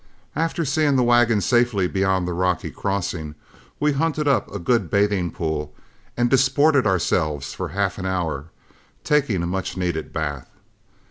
After seeing the wagon safely beyond the rocky crossing, we hunted up a good bathing pool and disported ourselves for half an hour, taking a much needed bath.